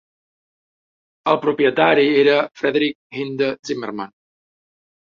El propietari era Frederick Hinde Zimmerman.